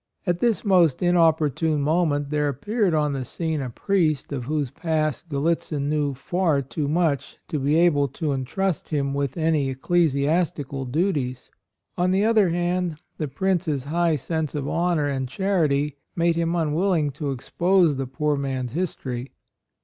At this most inopportune moment there appeared on the scene a priest of whose past Gallitzin knew far too much to be able to entrust him with any ecclesiastical duties. On the other hand, the Prince's high sense of honor and charity made him unwilling to expose the poor man's history.